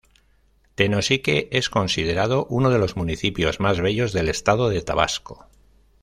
Tenosique es considerado uno de los municipios más bellos del estado de Tabasco.